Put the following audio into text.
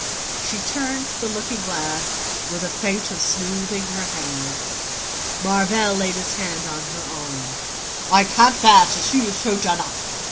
She turned to the looking glass with a feint of smoothing her hair. Marvell laid his hand on her arm, "I can't bear to see you so done up.